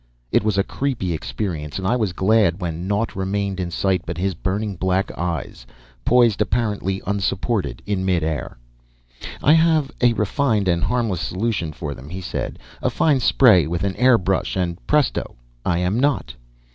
It was a creepy experience, and I was glad when naught remained in sight but his burning black eyes, poised apparently unsupported in mid air. "I have a refined and harmless solution for them," he said. "A fine spray with an air brush, and presto! I am not."